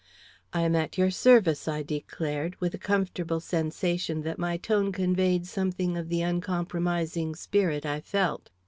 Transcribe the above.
"I am at your service," I declared, with a comfortable sensation that my tone conveyed something of the uncompromising spirit I felt.